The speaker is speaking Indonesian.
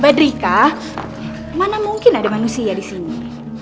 badrika mana mungkin ada manusia disini